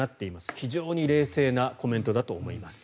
非常に冷静なコメントだと思います。